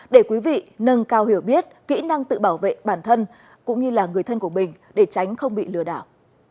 để quý vị nâng cao hiểu biết kỹ năng tự bảo vệ bản thân cũng như là người thân của mình để tránh không bị lừa đảo